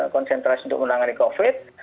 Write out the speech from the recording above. konsentrasi untuk menangani covid